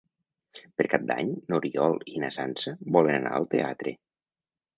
Per Cap d'Any n'Oriol i na Sança volen anar al teatre.